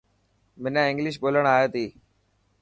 منا انگلش ٻولڻ آئي تي.